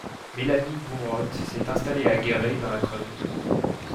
Mélanie Bourotte s'est installée à Guéret, dans la Creuse.